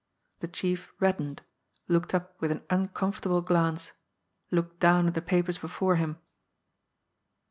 The chief reddened, looked up with an uncom i fortable glance, looked down at the papers before him.